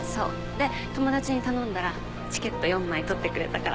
で友達に頼んだらチケット４枚取ってくれたから。